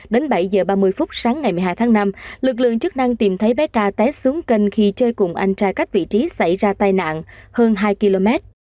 đến bảy h ba mươi phút sáng ngày một mươi hai tháng năm lực lượng chức năng tìm thấy bé tra té xuống kênh khi chơi cùng anh trai cách vị trí xảy ra tai nạn hơn hai km